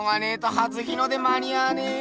初日の出間に合わねえよ。